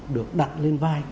được đặt lên vai